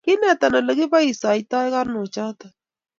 Kiineta ole kipoisotoi karnok choto